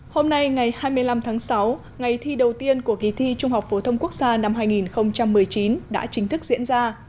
hôm nay ngày hai mươi năm tháng sáu ngày thi đầu tiên của kỳ thi trung học phổ thông quốc gia năm hai nghìn một mươi chín đã chính thức diễn ra